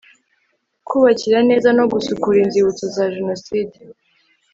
kubakira neza no gusukura inzibutso za jenoside